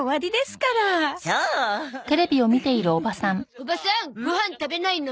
おばさんご飯食べないの？